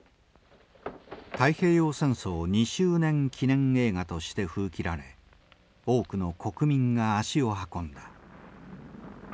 太平洋戦争２周年記念映画として封切られ多くの国民が足を運んだ。